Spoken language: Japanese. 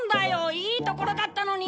いいところだったのに。